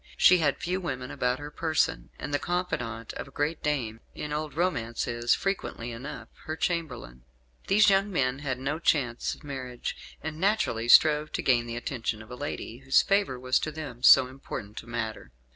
She had few women about her person, and the confidant of a great dame in old romance is, frequently enough, her chamberlain. These young men had no chance of marriage, and naturally strove to gain the attention of a lady, whose favour was to them so important a matter.